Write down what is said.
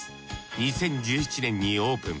２０１７年にオープン。